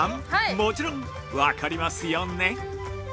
もちろん分かりますよね？